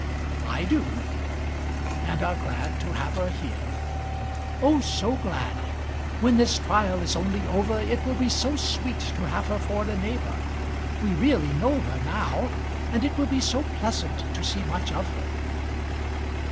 "I do." "And are glad to have her here?" "Oh, so glad. When this trial is only over, it will be so sweet, to have her for a neighbour. We really know her now. And it will be so pleasant to see much of her."